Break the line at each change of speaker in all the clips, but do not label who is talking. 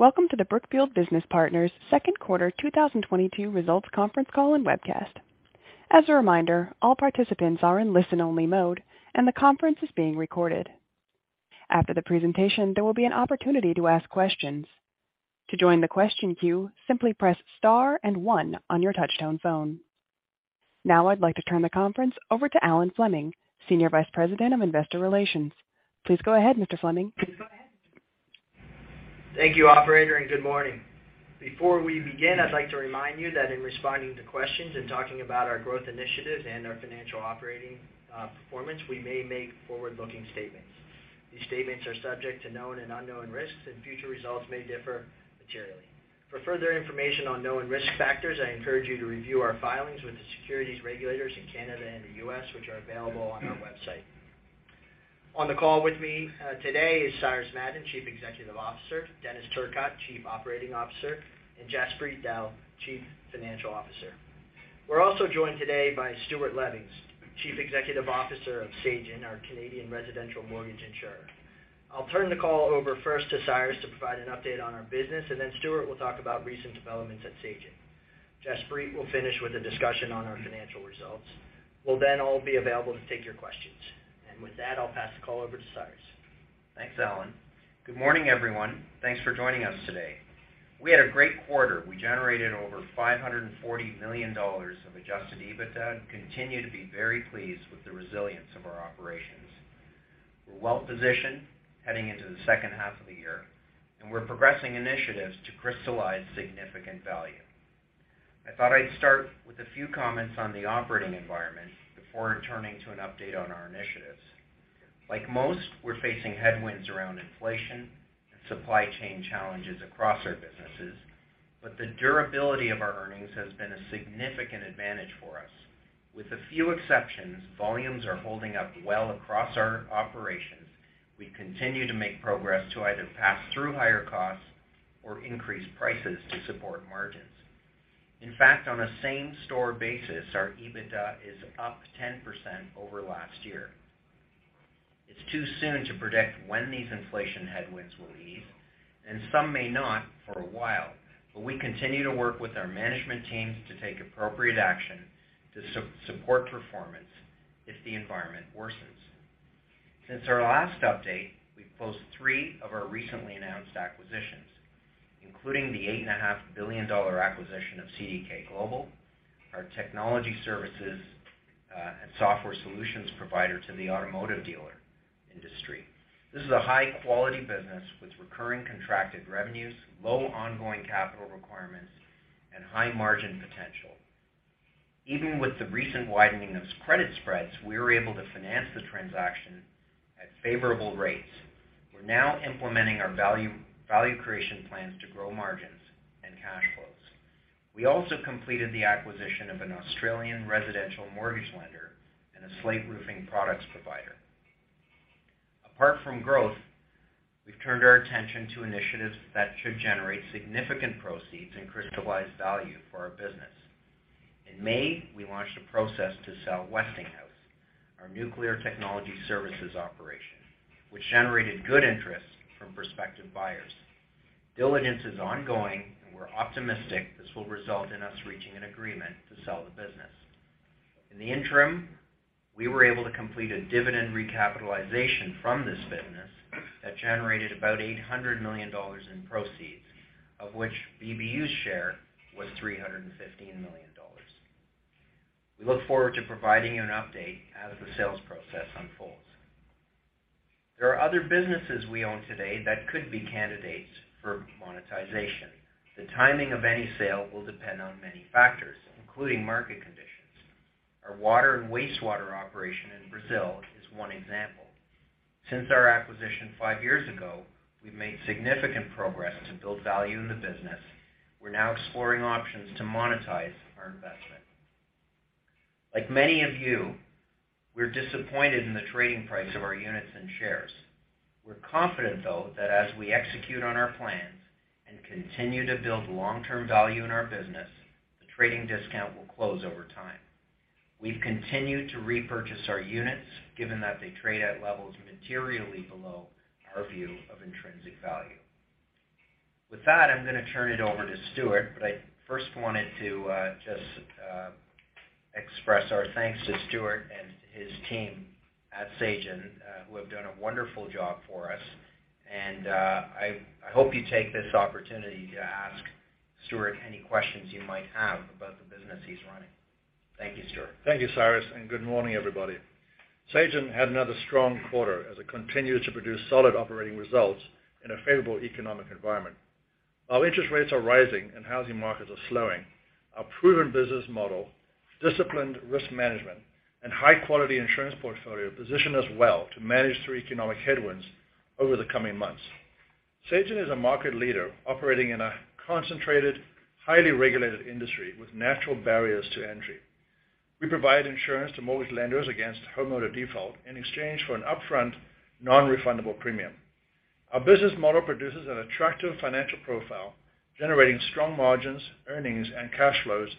Welcome to the Brookfield Business Partners second quarter 2022 results conference call and webcast. As a reminder, all participants are in listen-only mode and the conference is being recorded. After the presentation, there will be an opportunity to ask questions. To join the question queue, simply press star and one on your touchtone phone. Now I'd like to turn the conference over to Alan Fleming, Senior Vice President of Investor Relations. Please go ahead, Mr. Fleming.
Thank you, operator, and good morning. Before we begin, I'd like to remind you that in responding to questions and talking about our growth initiatives and our financial operating performance, we may make forward-looking statements. These statements are subject to known and unknown risks, and future results may differ materially. For further information on known risk factors, I encourage you to review our filings with the securities regulators in Canada and the U.S., which are available on our website. On the call with me today is Cyrus Madon, Chief Executive Officer, Denis Turcotte, Chief Operating Officer, and Jaspreet Dehl, Chief Financial Officer. We're also joined today by Stuart Levings, Chief Executive Officer of Sagen, our Canadian residential mortgage insurer. I'll turn the call over first to Cyrus to provide an update on our business, and then Stuart will talk about recent developments at Sagen. Jaspreet will finish with a discussion on our financial results. We'll then all be available to take your questions. With that, I'll pass the call over to Cyrus.
Thanks, Alan. Good morning, everyone. Thanks for joining us today. We had a great quarter. We generated over $540 million of Adjusted EBITDA and continue to be very pleased with the resilience of our operations. We're well-positioned heading into the second half of the year, and we're progressing initiatives to crystallize significant value. I thought I'd start with a few comments on the operating environment before turning to an update on our initiatives. Like most, we're facing headwinds around inflation and supply chain challenges across our businesses, but the durability of our earnings has been a significant advantage for us. With a few exceptions, volumes are holding up well across our operations. We continue to make progress to either pass through higher costs or increase prices to support margins. In fact, on a same-store basis, our EBITDA is up 10% over last year. It's too soon to predict when these inflation headwinds will ease, and some may not for a while, but we continue to work with our management teams to take appropriate action to support performance if the environment worsens. Since our last update, we've closed three of our recently announced acquisitions, including the $8.5 billion acquisition of CDK Global, our technology services and software solutions provider to the automotive dealer industry. This is a high-quality business with recurring contracted revenues, low ongoing capital requirements, and high margin potential. Even with the recent widening of credit spreads, we were able to finance the transaction at favorable rates. We're now implementing our value creation plans to grow margins and cash flows. We also completed the acquisition of an Australian residential mortgage lender and a slate roofing products provider. Apart from growth, we've turned our attention to initiatives that should generate significant proceeds and crystallize value for our business. In May, we launched a process to sell Westinghouse, our nuclear technology services operation, which generated good interest from prospective buyers. Diligence is ongoing, and we're optimistic this will result in us reaching an agreement to sell the business. In the interim, we were able to complete a dividend recapitalization from this business that generated about $800 million in proceeds, of which BBU's share was $315 million. We look forward to providing an update as the sales process unfolds. There are other businesses we own today that could be candidates for monetization. The timing of any sale will depend on many factors, including market conditions. Our water and wastewater operation in Brazil is one example. Since our acquisition five years ago, we've made significant progress to build value in the business. We're now exploring options to monetize our investment. Like many of you, we're disappointed in the trading price of our units and shares. We're confident, though, that as we execute on our plans and continue to build long-term value in our business, the trading discount will close over time. We've continued to repurchase our units, given that they trade at levels materially below our view of intrinsic value. With that, I'm gonna turn it over to Stuart, but I first wanted to just express our thanks to Stuart and his team at Sagen, who have done a wonderful job for us. I hope you take this opportunity to ask Stuart any questions you might have about the business he's running. Thank you, Stuart.
Thank you, Cyrus, and good morning, everybody. Sagen had another strong quarter as it continued to produce solid operating results in a favorable economic environment. While interest rates are rising and housing markets are slowing, our proven business model, disciplined risk management, and high-quality insurance portfolio position us well to manage through economic headwinds over the coming months. Sagen is a market leader operating in a concentrated, highly regulated industry with natural barriers to entry. We provide insurance to mortgage lenders against homeowner default in exchange for an upfront, non-refundable premium. Our business model produces an attractive financial profile, generating strong margins, earnings, and cash flows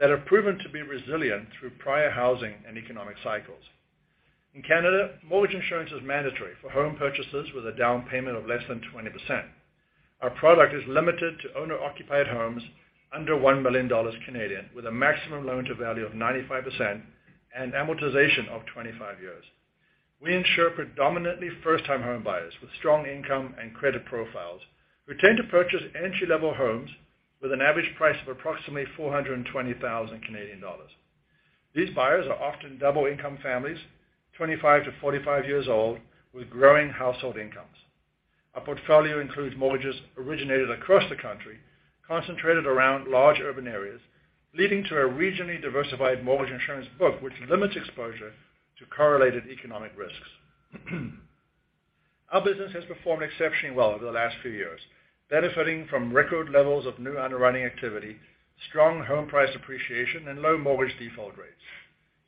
that have proven to be resilient through prior housing and economic cycles. In Canada, mortgage insurance is mandatory for home purchases with a down payment of less than 20%. Our product is limited to owner-occupied homes under 1 million Canadian dollars, with a maximum loan to value of 95% and amortization of 25 years. We insure predominantly first-time home buyers with strong income and credit profiles who tend to purchase entry-level homes with an average price of approximately 420,000 Canadian dollars. These buyers are often double income families, 25-45 years old, with growing household incomes. Our portfolio includes mortgages originated across the country, concentrated around large urban areas, leading to a regionally diversified mortgage insurance book, which limits exposure to correlated economic risks. Our business has performed exceptionally well over the last few years, benefiting from record levels of new underwriting activity, strong home price appreciation, and low mortgage default rates.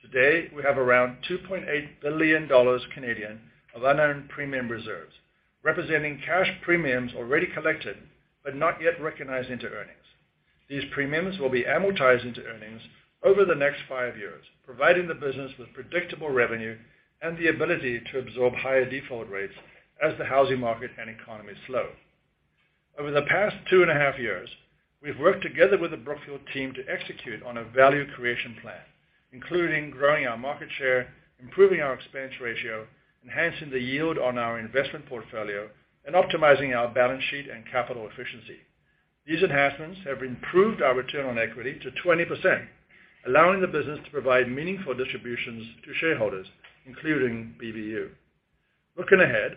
Today, we have around 2.8 billion Canadian dollars of unearned premium reserves, representing cash premiums already collected but not yet recognized into earnings. These premiums will be amortized into earnings over the next five years, providing the business with predictable revenue and the ability to absorb higher default rates as the housing market and economy slow. Over the past 2.5 years, we've worked together with the Brookfield team to execute on a value creation plan, including growing our market share, improving our expense ratio, enhancing the yield on our investment portfolio, and optimizing our balance sheet and capital efficiency. These enhancements have improved our return on equity to 20%, allowing the business to provide meaningful distributions to shareholders, including BBU. Looking ahead,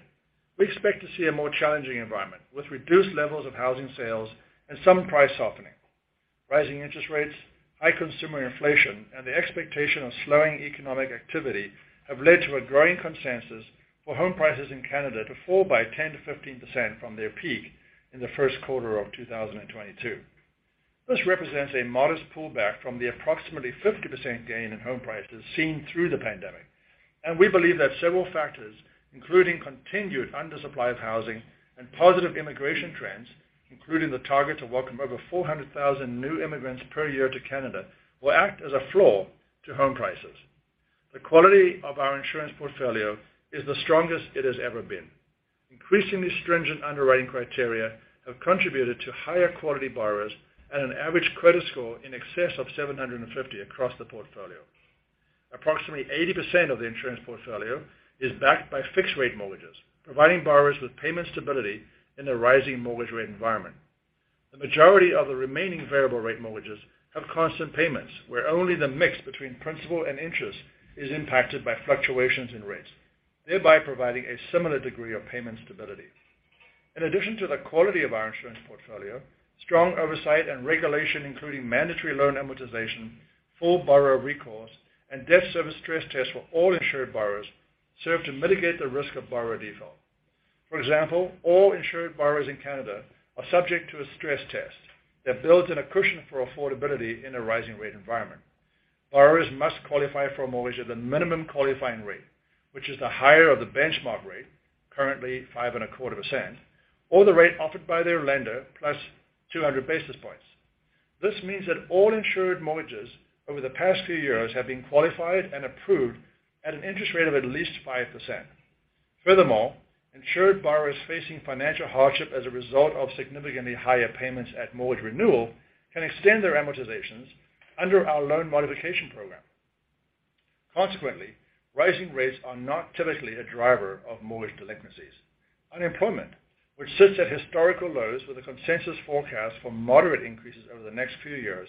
we expect to see a more challenging environment with reduced levels of housing sales and some price softening. Rising interest rates, high consumer inflation, and the expectation of slowing economic activity have led to a growing consensus for home prices in Canada to fall by 10%-15% from their peak in the first quarter of 2022. This represents a modest pullback from the approximately 50% gain in home prices seen through the pandemic. We believe that several factors, including continued undersupply of housing and positive immigration trends, including the target to welcome over 400,000 new immigrants per year to Canada, will act as a floor to home prices. The quality of our insurance portfolio is the strongest it has ever been. Increasingly stringent underwriting criteria have contributed to higher quality borrowers at an average credit score in excess of 750 across the portfolio. Approximately 80% of the insurance portfolio is backed by fixed-rate mortgages, providing borrowers with payment stability in the rising mortgage rate environment. The majority of the remaining variable rate mortgages have constant payments, where only the mix between principal and interest is impacted by fluctuations in rates, thereby providing a similar degree of payment stability. In addition to the quality of our insurance portfolio, strong oversight and regulation, including mandatory loan amortization, full borrower recourse, and debt service stress tests for all insured borrowers serve to mitigate the risk of borrower default. For example, all insured borrowers in Canada are subject to a stress test that builds in a cushion for affordability in a rising rate environment. Borrowers must qualify for a mortgage at the minimum qualifying rate, which is the higher of the benchmark rate, currently 5.25%, or the rate offered by their lender +200 basis points. This means that all insured mortgages over the past few years have been qualified and approved at an interest rate of at least 5%. Furthermore, insured borrowers facing financial hardship as a result of significantly higher payments at mortgage renewal can extend their amortizations under our loan modification program. Consequently, rising rates are not typically a driver of mortgage delinquencies. Unemployment, which sits at historical lows with a consensus forecast for moderate increases over the next few years,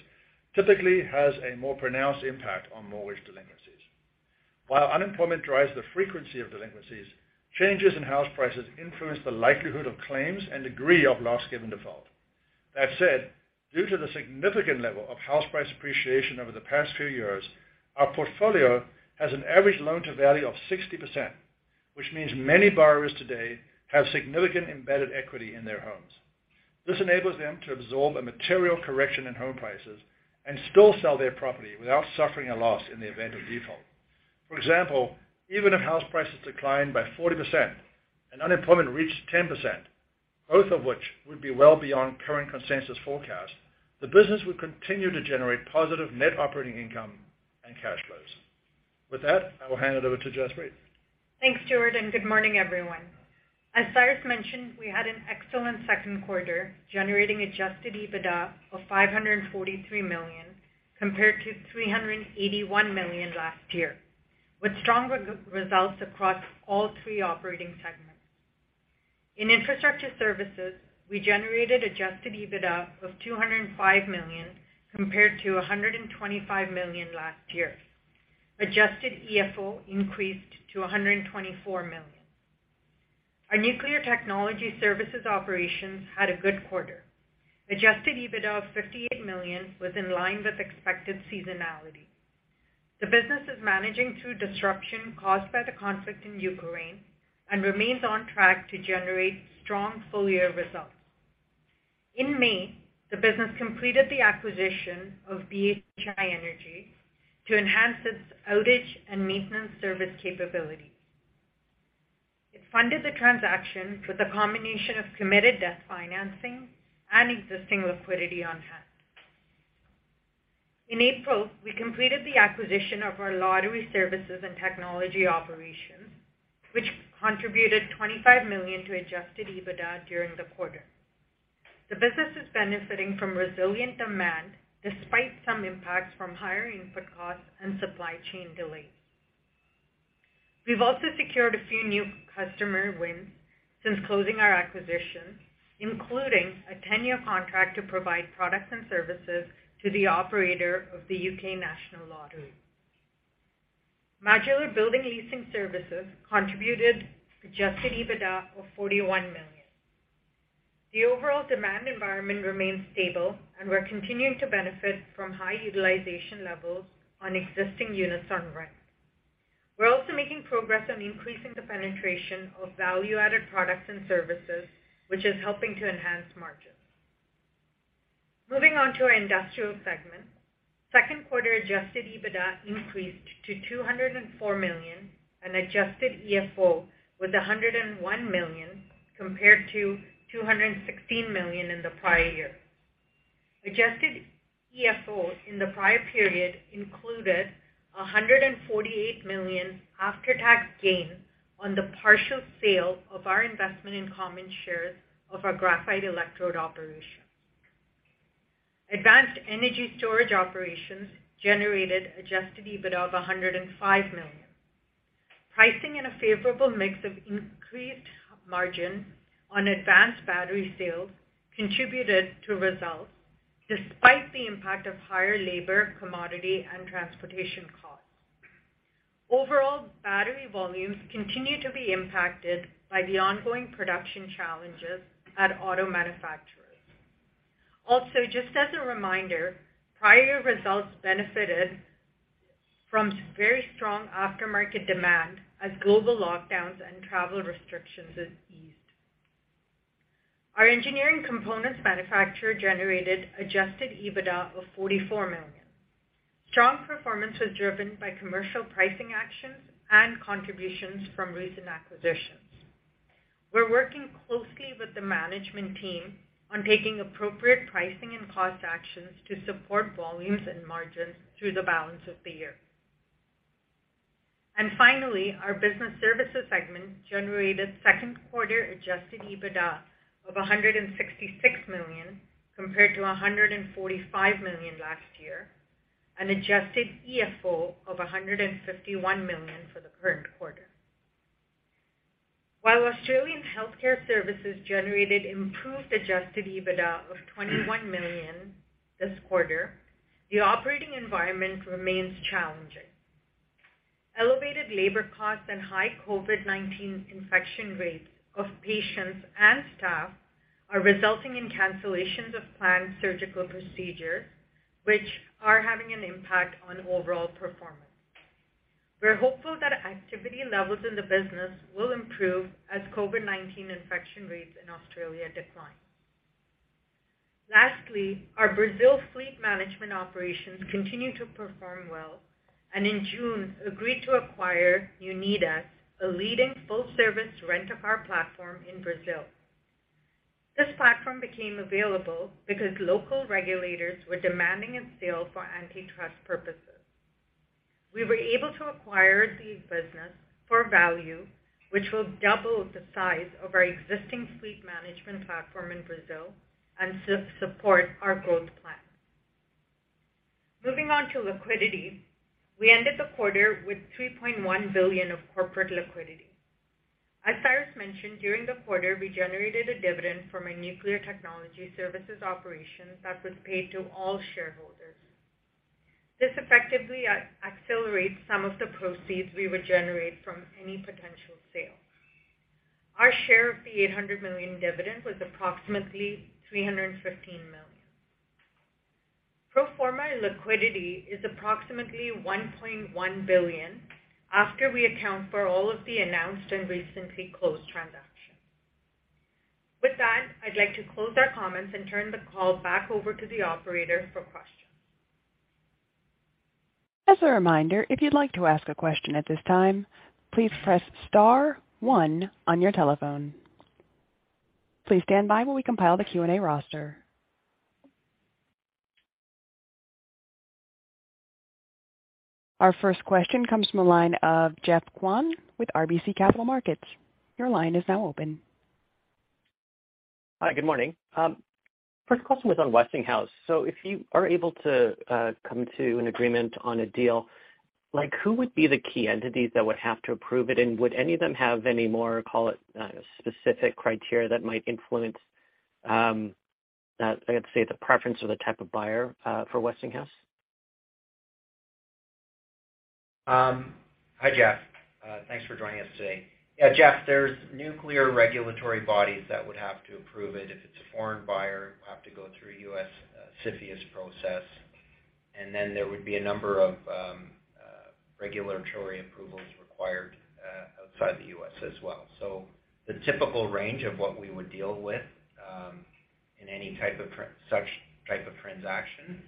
typically has a more pronounced impact on mortgage delinquencies. While unemployment drives the frequency of delinquencies, changes in house prices influence the likelihood of claims and degree of loss given default. That said, due to the significant level of house price appreciation over the past few years, our portfolio has an average loan to value of 60%, which means many borrowers today have significant embedded equity in their homes. This enables them to absorb a material correction in home prices and still sell their property without suffering a loss in the event of default. For example, even if house prices decline by 40% and unemployment reached 10%, both of which would be well beyond current consensus forecast, the business would continue to generate positive net operating income and cash flows. With that, I will hand it over to Jaspreet.
Thanks, Stuart, and good morning, everyone. As Cyrus mentioned, we had an excellent second quarter, generating Adjusted EBITDA of $543 million, compared to $381 million last year, with strong results across all three operating segments. In infrastructure services, we generated Adjusted EBITDA of $205 million, compared to $125 million last year. Adjusted FFO increased to $124 million. Our nuclear technology services operations had a good quarter. Adjusted EBITDA of $58 million was in line with expected seasonality. The business is managing through disruption caused by the conflict in Ukraine and remains on track to generate strong full-year results. In May, the business completed the acquisition of BHI Energy to enhance its outage and maintenance service capabilities. It funded the transaction with a combination of committed debt financing and existing liquidity on hand. In April, we completed the acquisition of our lottery services and technology operations, which contributed $25 million to Adjusted EBITDA during the quarter. The business is benefiting from resilient demand despite some impacts from higher input costs and supply chain delays. We've also secured a few new customer wins since closing our acquisition, including a 10-year contract to provide products and services to the operator of The National Lottery. Modular Building Leasing Services contributed Adjusted EBITDA of $41 million. The overall demand environment remains stable, and we're continuing to benefit from high utilization levels on existing units on rent. We're also making progress on increasing the penetration of value-added products and services, which is helping to enhance margins. Moving on to our Industrial segment. Second quarter adjusted EBITDA increased to $204 million, and Adjusted FFO was $101 million, compared to $216 million in the prior year. Adjusted FFO in the prior period included $148 million after-tax gain on the partial sale of our investment in common shares of our graphite electrode operation. Advanced energy storage operations generated adjusted EBITDA of $105 million. Pricing in a favorable mix of increased margin on advanced battery sales contributed to results despite the impact of higher labor, commodity, and transportation costs. Overall, battery volumes continue to be impacted by the ongoing production challenges at auto manufacturers. Also, just as a reminder, prior results benefited from very strong aftermarket demand as global lockdowns and travel restrictions have eased. Our engineering components manufacturer generated adjusted EBITDA of $44 million. Strong performance was driven by commercial pricing actions and contributions from recent acquisitions. We're working closely with the management team on taking appropriate pricing and cost actions to support volumes and margins through the balance of the year. Finally, our Business Services segment generated second quarter adjusted EBITDA of $166 million compared to $145 million last year, an Adjusted FFO of $151 million for the current quarter. While Australian Healthcare Services generated improved adjusted EBITDA of $21 million this quarter, the operating environment remains challenging. Elevated labor costs and high COVID-19 infection rates of patients and staff are resulting in cancellations of planned surgical procedures, which are having an impact on overall performance. We're hopeful that activity levels in the business will improve as COVID-19 infection rates in Australia decline. Lastly, our Brazil Fleet Management operations continue to perform well and in June agreed to acquire Unidas, a leading full-service rent-a-car platform in Brazil. This platform became available because local regulators were demanding its sale for antitrust purposes. We were able to acquire the business for value, which will double the size of our existing fleet management platform in Brazil and support our growth plan. Moving on to liquidity. We ended the quarter with $3.1 billion of corporate liquidity. As Cyrus mentioned, during the quarter, we generated a dividend from our nuclear technology services operation that was paid to all shareholders. This effectively accelerates some of the proceeds we would generate from any potential sale. Our share of the $800 million dividend was approximately $315 million. Pro forma liquidity is approximately $1.1 billion after we account for all of the announced and recently closed transactions. With that, I'd like to close our comments and turn the call back over to the operator for questions.
As a reminder, if you'd like to ask a question at this time, please press star one on your telephone. Please stand by while we compile the Q&A roster. Our first question comes from the line of Geoffrey Kwan with RBC Capital Markets. Your line is now open.
Hi, good morning. First question was on Westinghouse. If you are able to come to an agreement on a deal, like who would be the key entities that would have to approve it? Would any of them have any more, call it, specific criteria that might influence, let's say, the preference of the type of buyer for Westinghouse?
Hi, Geoff. Thanks for joining us today. Yeah, Geoff, there's nuclear regulatory bodies that would have to approve it. If it's a foreign buyer, it would have to go through U.S., CFIUS process. There would be a number of regulatory approvals required outside the U.S., as well. The typical range of what we would deal with in any type of such type of transaction.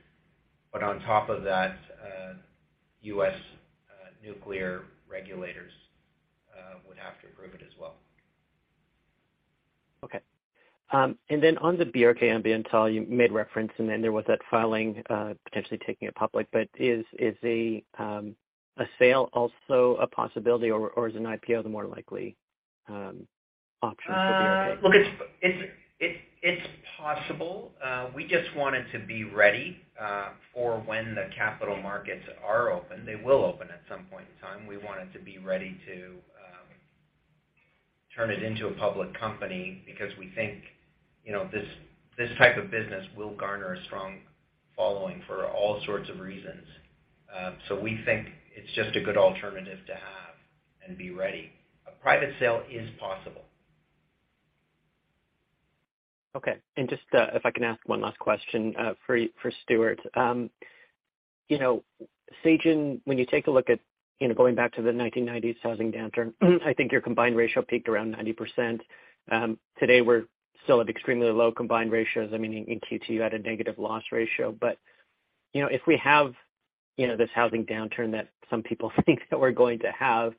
On top of that, U.S., nuclear regulators would have to approve it as well.
Okay. On the BRK Ambiental, you made reference and then there was that filing, potentially taking it public. Is a sale also a possibility or is an IPO the more likely option for BRK?
Look, it's possible. We just wanted to be ready for when the capital markets are open. They will open at some point in time. We wanted to be ready to turn it into a public company because we think, you know, this type of business will garner a strong following for all sorts of reasons. We think it's just a good alternative to have and be ready. A private sale is possible.
Okay. Just, if I can ask one last question, for Stuart. You know, Sagen, when you take a look at, you know, going back to the 1990s housing downturn, I think your combined ratio peaked around 90%. Today, we're still at extremely low combined ratios. I mean, in Q2, you had a negative loss ratio. You know, if we have, you know, this housing downturn that some people think that we're going to have,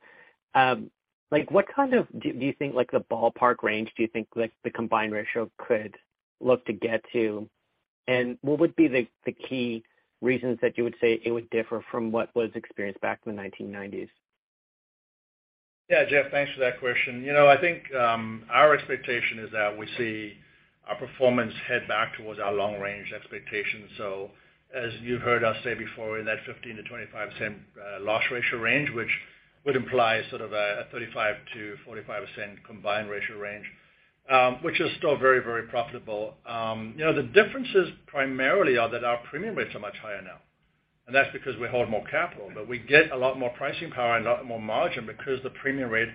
like, what kind of do you think, like, the ballpark range do you think, like, the combined ratio could look to get to? And what would be the key reasons that you would say it would differ from what was experienced back in the 1990s?
Yeah. Geoff, thanks for that question. You know, I think our expectation is that we see our performance head back towards our long-range expectations. As you heard us say before, in that 15%-25% loss ratio range, which would imply sort of a 35%-45% combined ratio range, which is still very, very profitable. You know, the differences primarily are that our premium rates are much higher now, and that's because we hold more capital. We get a lot more pricing power and a lot more margin because the premium rate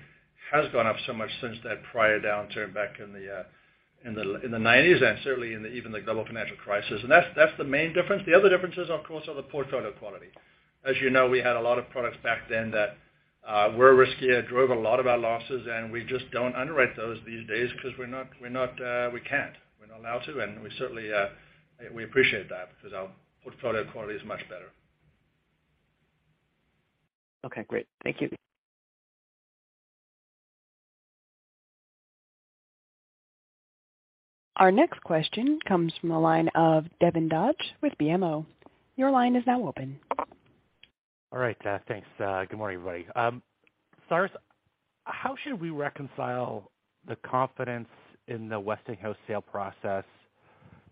has gone up so much since that prior downturn back in the nineties and certainly in even the global financial crisis. That's the main difference. The other differences, of course, are the portfolio quality. As you know, we had a lot of products back then that were riskier, drove a lot of our losses, and we just don't underwrite those these days because we're not, we can't. We're not allowed to, and we certainly appreciate that because our portfolio quality is much better.
Okay, great. Thank you.
Our next question comes from the line of Devin Dodge with BMO. Your line is now open.
All right. Thanks. Good morning, everybody. Cyrus, how should we reconcile the confidence in the Westinghouse sale process,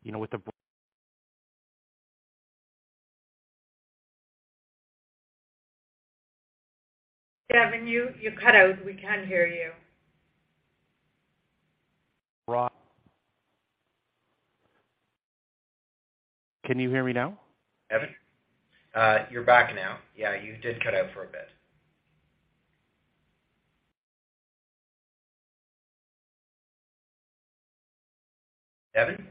you know, with the
Devin, you cut out. We can't hear you.
Can you hear me now?
Devin? You're back now. Yeah, you did cut out for a bit. Devin?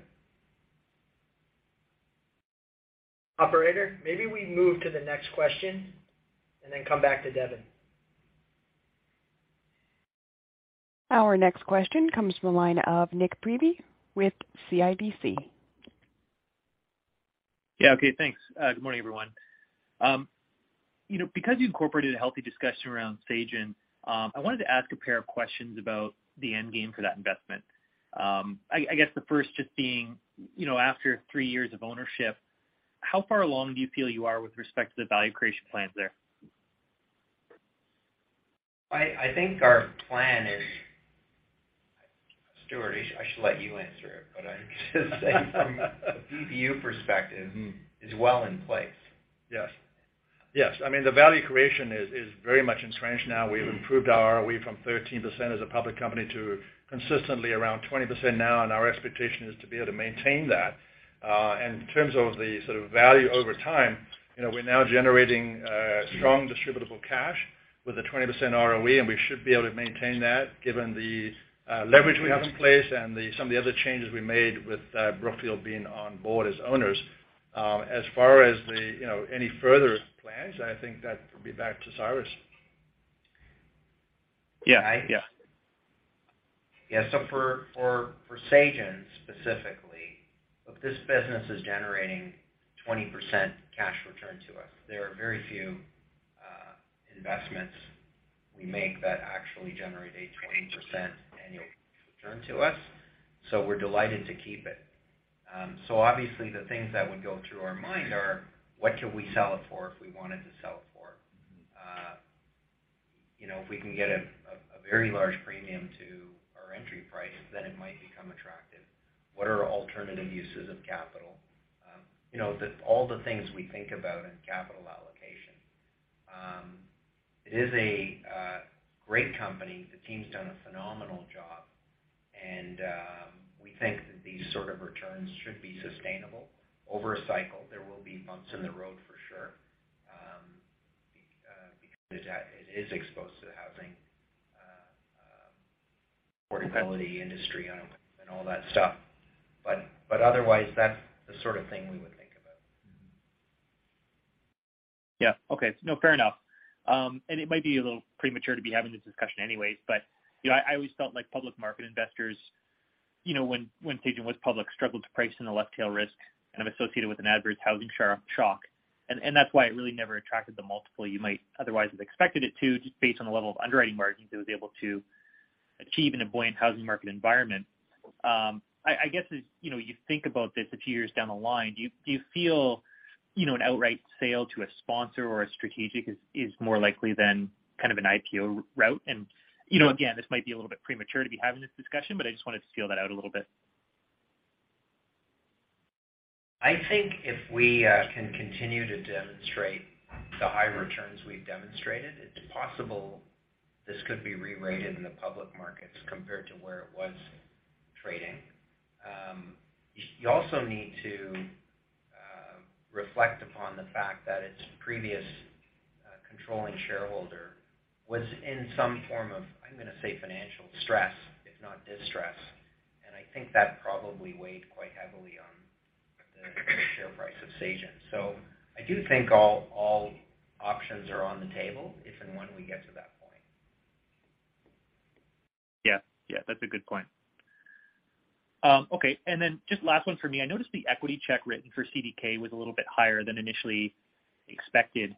Operator, maybe we move to the next question and then come back to Devin.
Our next question comes from the line of Nik Priebe with CIBC.
Yeah. Okay, thanks. Good morning, everyone. You know, because you incorporated a healthy discussion around Sagen, I wanted to ask a pair of questions about the end game for that investment. I guess the first just being, you know, after three years of ownership, how far along do you feel you are with respect to the value creation plans there?
I think our plan is. Stuart, I should let you answer it, but I should say from a BBU perspective is well in place.
Yes. Yes. I mean, the value creation is very much entrenched now. We've improved our ROE from 13% as a public company to consistently around 20% now, and our expectation is to be able to maintain that. In terms of the sort of value over time, you know, we're now generating strong distributable cash with a 20% ROE, and we should be able to maintain that given the leverage we have in place and some of the other changes we made with Brookfield being on board as owners. As far as, you know, any further plans, I think that would be back to Cyrus.
Yeah.
Right?
For Sagen specifically, look, this business is generating 20% cash return to us. There are very few investments we make that actually generate a 20% annual return to us, so we're delighted to keep it. Obviously the things that would go through our mind are, what can we sell it for if we wanted to sell it for? You know, if we can get a very large premium to our entry price, then it might become attractive. What are alternative uses of capital? You know, all the things we think about in capital allocation. It is a great company. The team's done a phenomenal job, and we think that these sort of returns should be sustainable over a cycle. There will be bumps in the road for sure, because it is exposed to the housing affordability industry and all that stuff. Otherwise, that's the sort of thing we would think about.
Yeah. Okay. No, fair enough. It might be a little premature to be having this discussion anyways, but, you know, I always felt like public market investors, you know, when Sagen was public, struggled to price in the left tail risk kind of associated with an adverse housing shock. That's why it really never attracted the multiple you might otherwise have expected it to, just based on the level of underwriting margins it was able to achieve in a buoyant housing market environment. I guess as, you know, you think about this a few years down the line, do you feel, you know, an outright sale to a sponsor or a strategic is more likely than kind of an IPO route? You know, again, this might be a little bit premature to be having this discussion, but I just wanted to feel that out a little bit.
I think if we can continue to demonstrate the high returns we've demonstrated, it's possible this could be rerated in the public markets compared to where it was trading. You also need to reflect upon the fact that its previous controlling shareholder was in some form of, I'm gonna say, financial stress if not distress. I think that probably weighed quite heavily on the share price of Sagen. I do think all options are on the table if and when we get to that point.
Yeah. Yeah, that's a good point. Okay. Just last one for me. I noticed the equity check written for CDK was a little bit higher than initially expected.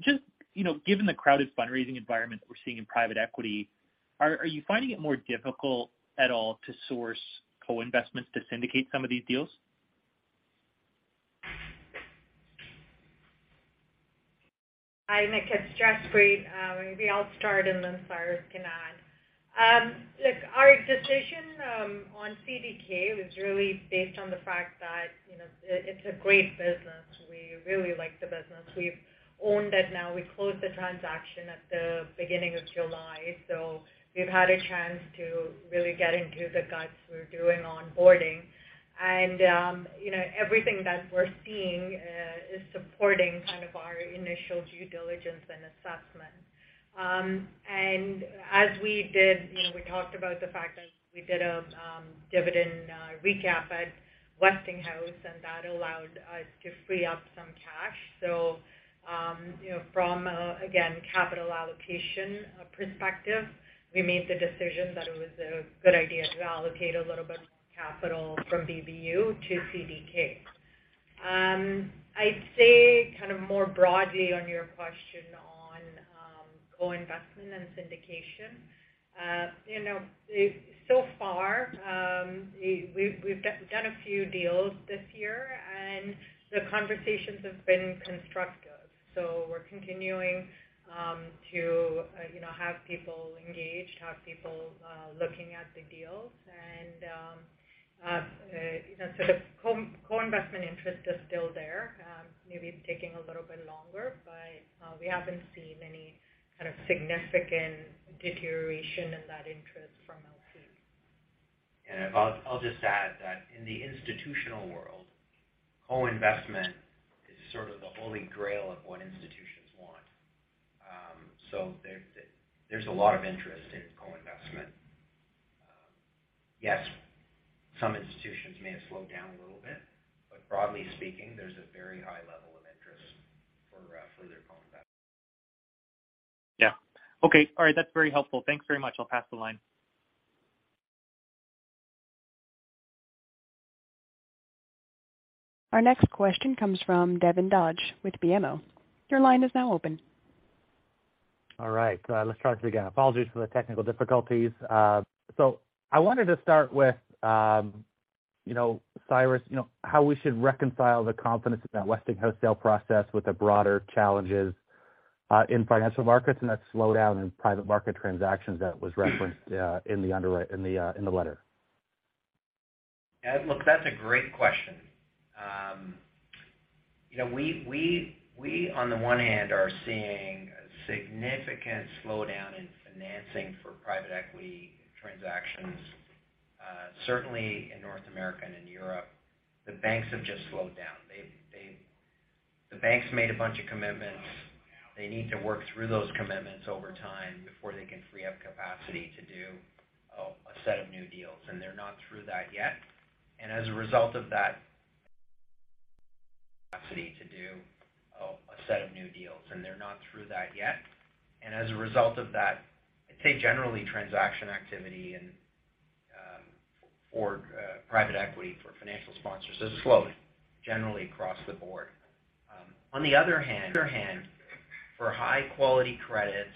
Just, you know, given the crowded fundraising environment that we're seeing in private equity, are you finding it more difficult at all to source co-investments to syndicate some of these deals?
Hi, Nik, it's Jaspreet. Maybe I'll start, and then Cyrus can add. Look, our decision on CDK was really based on the fact that, you know, it's a great business. We really like the business. We've owned it now. We closed the transaction at the beginning of July. We've had a chance to really get into the guts. We're doing onboarding and, you know, everything that we're seeing is supporting kind of our initial due diligence and assessment. As we did, you know, we talked about the fact that we did a dividend recap at Westinghouse, and that allowed us to free up some cash. You know, from a, again, capital allocation perspective, we made the decision that it was a good idea to allocate a little bit of capital from BBU to CDK. I'd say kind of more broadly on your question on co-investment and syndication, you know, so far, we've done a few deals this year, and the conversations have been constructive. We're continuing to you know, have people engaged, have people looking at the deals. You know, sort of co-investment interest is still there. Maybe it's taking a little bit longer, but we haven't seen any kind of significant deterioration in that interest from LC.
I'll just add that in the institutional world, co-investment is sort of the holy grail of what institutions want. So there's a lot of interest in co-investment. Yes, some institutions may have slowed down a little bit, but broadly speaking, there's a very high level of interest for further co-investment.
Yeah. Okay. All right. That's very helpful. Thanks very much. I'll pass the line.
Our next question comes from Devin Dodge with BMO. Your line is now open.
All right, let's try this again. Apologies for the technical difficulties. I wanted to start with, you know, Cyrus, how we should reconcile the confidence in that Westinghouse sale process with the broader challenges in financial markets and that slowdown in private market transactions that was referenced in the letter.
Look, that's a great question. You know, we on the one hand are seeing a significant slowdown in financing for private equity transactions, certainly in North America and in Europe. The banks have just slowed down. The banks made a bunch of commitments. They need to work through those commitments over time before they can free up capacity to do a set of new deals. They're not through that yet. As a result of that, I'd say generally transaction activity and for private equity for financial sponsors has slowed generally across the board. On the other hand, for high-quality credits,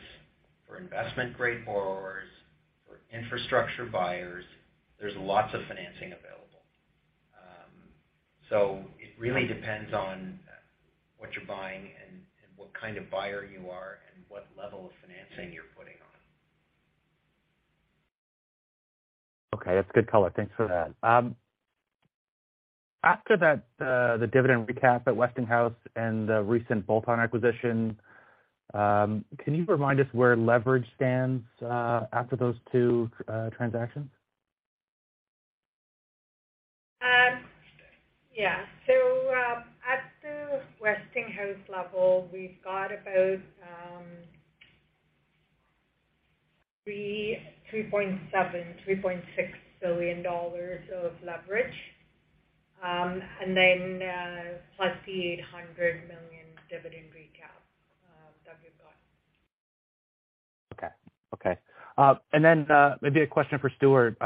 for investment-grade borrowers, for infrastructure buyers, there's lots of financing available. It really depends on what you're buying and what kind of buyer you are and what level of financing you're putting on.
Okay, that's good color. Thanks for that. After that, the dividend recap at Westinghouse and the recent bolt-on acquisition, can you remind us where leverage stands after those two transactions?
At the Westinghouse level, we've got about $3.6 billion of leverage. Plus the $800 million dividend recap that we've got.
Maybe a question for Stuart.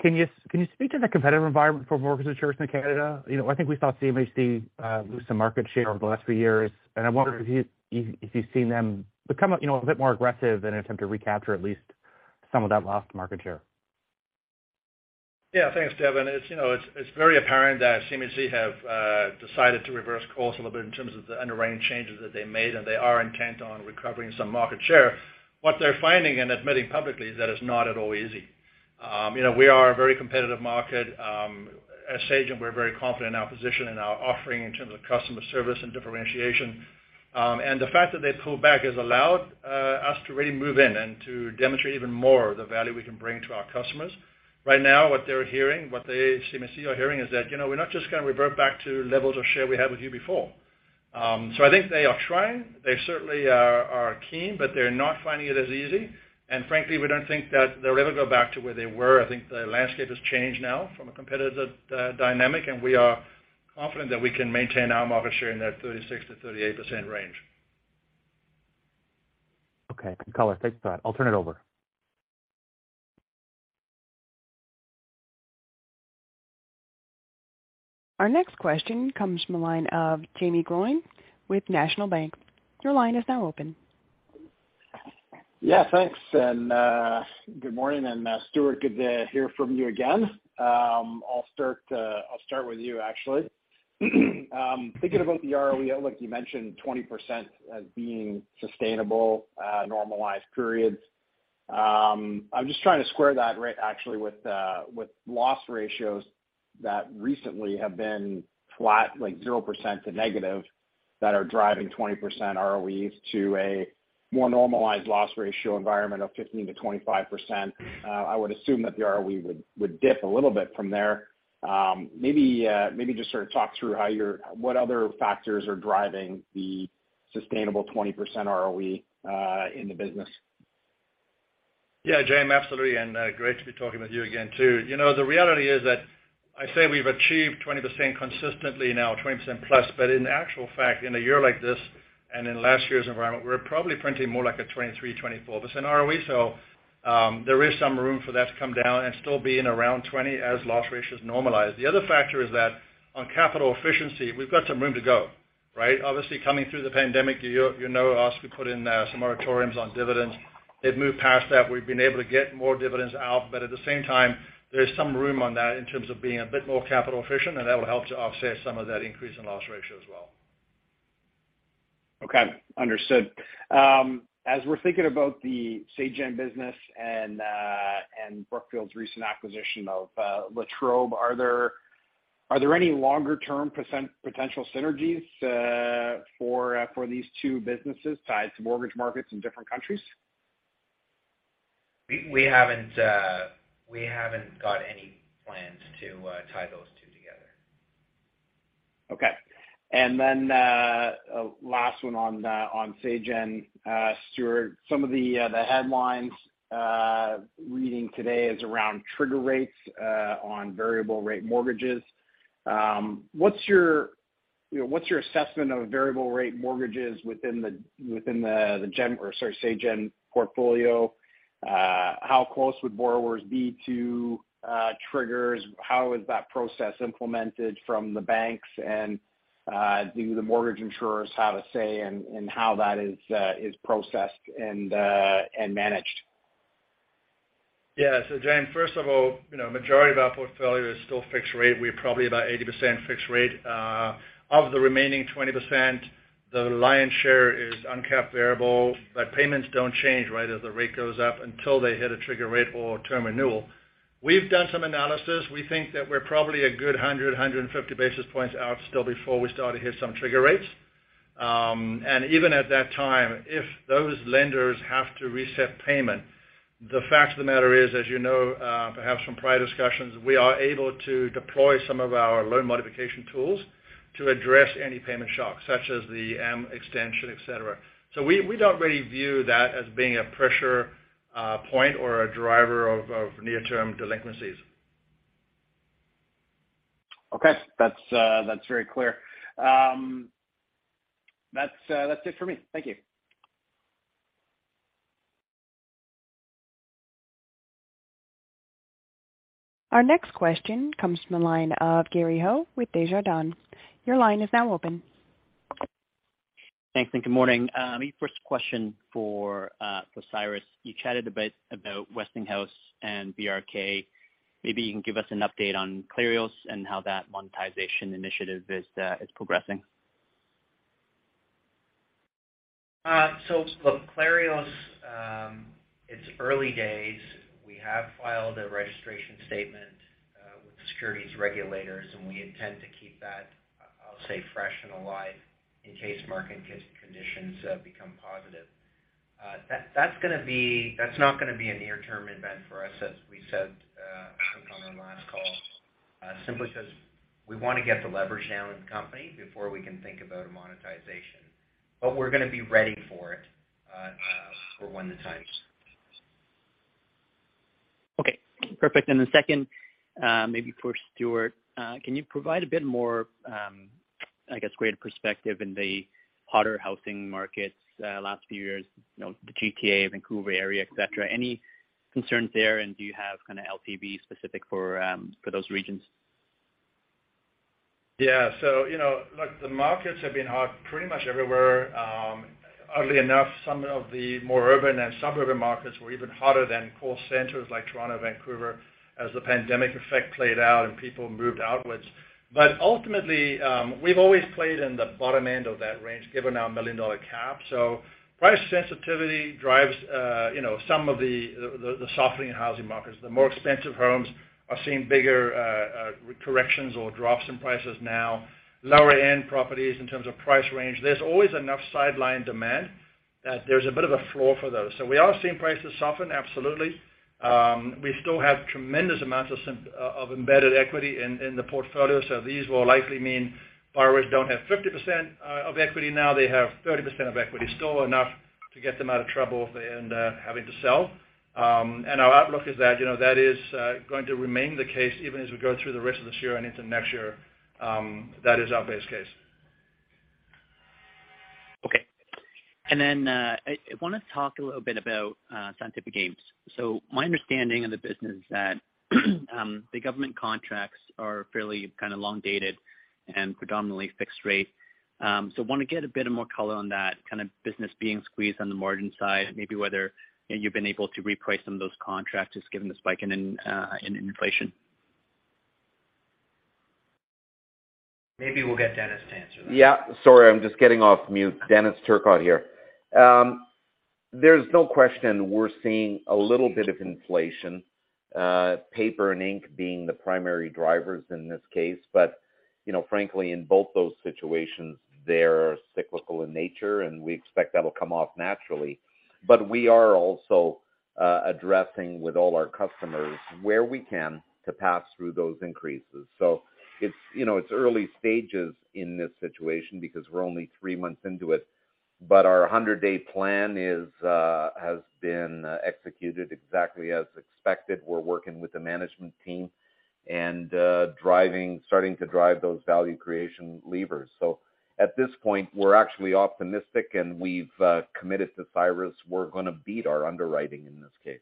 Can you speak to the competitive environment for mortgage insurance in Canada? You know, I think we saw CMHC lose some market share over the last few years, and I wonder if you've seen them become, you know, a bit more aggressive in an attempt to recapture at least some of that lost market share.
Yeah. Thanks, Devin. It's very apparent that CMHC have decided to reverse course a little bit in terms of the underwriting changes that they made, and they are intent on recovering some market share. What they're finding and admitting publicly is that it's not at all easy. You know, we are a very competitive market. At Sagen, we're very confident in our position and our offering in terms of customer service and differentiation. And the fact that they pulled back has allowed us to really move in and to demonstrate even more the value we can bring to our customers. Right now, what they're hearing, CMHC are hearing is that, you know, we're not just gonna revert back to levels of share we had with you before. So I think they are trying. They certainly are keen, but they're not finding it as easy. Frankly, we don't think that they'll ever go back to where they were. I think the landscape has changed now from a competitive dynamic, and we are confident that we can maintain our market share in that 36%-38% range.
Okay. Good color. Thanks for that. I'll turn it over.
Our next question comes from the line of Jaeme Gloyn with National Bank. Your line is now open.
Yeah, thanks. Good morning, and, Stuart, good to hear from you again. I'll start with you actually. Thinking about the ROE outlook, you mentioned 20% as being sustainable, normalized periods. I'm just trying to square that actually with loss ratios that recently have been flat, like 0% to negative, that are driving 20% ROEs to a more normalized loss ratio environment of 15%-25%. I would assume that the ROE would dip a little bit from there. Maybe just sort of talk through what other factors are driving the sustainable 20% ROE, in the business.
Yeah, Jaeme, absolutely. Great to be talking with you again too. You know, the reality is that I say we've achieved 20% consistently now, 20%+. In actual fact, in a year like this and in last year's environment, we're probably printing more like a 23%-24% ROE. There is some room for that to come down and still be in around 20% as loss ratios normalize. The other factor is that on capital efficiency, we've got some room to go, right? Obviously, coming through the pandemic, you know us, we put in some moratoriums on dividends. They've moved past that. We've been able to get more dividends out, but at the same time, there's some room on that in terms of being a bit more capital efficient, and that will help to offset some of that increase in loss ratio as well.
Okay. Understood. As we're thinking about the Sagen business and Brookfield's recent acquisition of La Trobe Financial, are there any longer term potential synergies for these two businesses tied to mortgage markets in different countries?
We haven't got any plans to tie those two together.
Last one on Sagen. Stuart, some of the headlines I'm reading today is around trigger rates on variable rate mortgages. What's your assessment of variable rate mortgages within the Sagen portfolio? How close would borrowers be to triggers? How is that process implemented from the banks? Do the mortgage insurers have a say in how that is processed and managed?
Yeah. Jaeme, first of all, you know, majority of our portfolio is still fixed rate. We're probably about 80% fixed rate. Of the remaining 20%, the lion's share is uncapped variable, but payments don't change, right, as the rate goes up until they hit a trigger rate or term renewal. We've done some analysis. We think that we're probably a good 100-150 basis points out still before we start to hit some trigger rates. Even at that time, if those lenders have to reset payment, the fact of the matter is, as you know, perhaps from prior discussions, we are able to deploy some of our loan modification tools to address any payment shocks, such as the term extension, et cetera. We don't really view that as being a pressure point or a driver of near-term delinquencies.
Okay. That's very clear. That's it for me. Thank you.
Our next question comes from the line of Gary Ho with Desjardins. Your line is now open.
Thanks, good morning. Maybe first question for Cyrus. You chatted a bit about Westinghouse and BRK. Maybe you can give us an update on Clarios and how that monetization initiative is progressing.
Look, Clarios, it's early days. We have filed a registration statement with the securities regulators, and we intend to keep that, I'll say fresh and alive in case market conditions become positive. That's not gonna be a near-term event for us, as we said, I think on our last call, simply because we want to get the leverage down in the company before we can think about a monetization. We're gonna be ready for it for when the time is.
Perfect. The second, maybe for Stuart, can you provide a bit more, I guess greater perspective in the hotter housing markets, last few years, you know, the GTA, Vancouver area, et cetera? Any concerns there, and do you have kinda LTV specific for those regions?
Yeah, you know, look, the markets have been hot pretty much everywhere. Oddly enough, some of the more urban and suburban markets were even hotter than core centers like Toronto, Vancouver, as the pandemic effect played out and people moved outwards. Ultimately, we've always played in the bottom end of that range, given our million-dollar cap. Price sensitivity drives, you know, some of the softening housing markets. The more expensive homes are seeing bigger corrections or drops in prices now. Lower end properties in terms of price range, there's always enough sideline demand that there's a bit of a floor for those. We are seeing prices soften, absolutely. We still have tremendous amounts of embedded equity in the portfolio, so these will likely mean borrowers don't have 50% of equity now, they have 30% of equity. Still enough to get them out of trouble if they end up having to sell. Our outlook is that, you know, that is going to remain the case even as we go through the rest of this year and into next year. That is our base case.
Okay. I wanna talk a little bit about Scientific Games. My understanding of the business is that the government contracts are fairly kinda long dated and predominantly fixed rate. Wanna get a bit more color on that kinda business being squeezed on the margin side, maybe whether, you know, you've been able to reprice some of those contracts just given the spike in inflation.
Maybe we'll get Denis to answer that.
Yeah. Sorry, I'm just getting off mute. Denis Turcotte here. There's no question we're seeing a little bit of inflation, paper and ink being the primary drivers in this case. You know, frankly, in both those situations, they're cyclical in nature, and we expect that'll come off naturally. We are also addressing with all our customers where we can to pass through those increases. It's, you know, it's early stages in this situation because we're only three months into it. Our 100-day plan has been executed exactly as expected. We're working with the management team and starting to drive those value creation levers. At this point, we're actually optimistic, and we've committed to Cyrus we're gonna beat our underwriting in this case.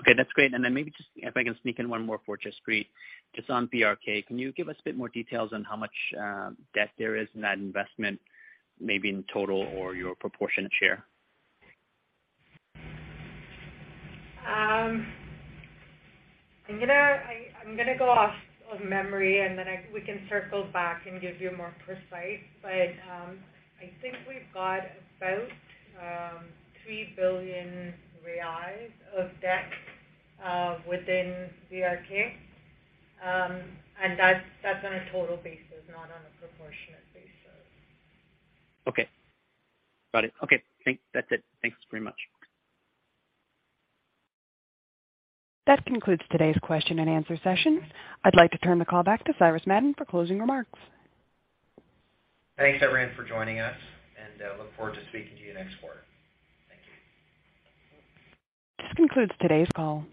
Okay. Okay, that's great. Maybe just if I can sneak in one more for Jaspreet. Just on BRK, can you give us a bit more details on how much debt there is in that investment, maybe in total or your proportionate share?
I'm gonna go off of memory, and then we can circle back and give you more precise. I think we've got about 3 billion reais of debt within BRK. That's on a total basis, not on a proportionate basis.
Okay. Got it. Okay. That's it. Thanks very much.
That concludes today's question and answer session. I'd like to turn the call back to Cyrus Madon for closing remarks.
Thanks, everyone, for joining us, and look forward to speaking to you next quarter. Thank you.
This concludes today's call.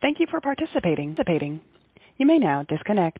Thank you for participating. You may now disconnect.